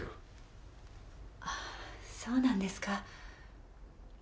あそうなんですか。